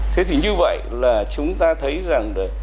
thế thì như vậy là chúng ta thấy rằng